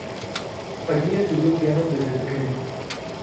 Allí estudió piano desde pequeño.